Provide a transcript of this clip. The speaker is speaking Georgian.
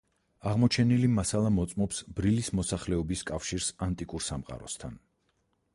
აღმოჩენილი მასალა მოწმობს, ბრილის მოსახლეობის კავშირს ანტიკურ სამყაროსთან.